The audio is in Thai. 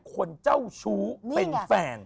คนเจ้าชู้เป็นแฟน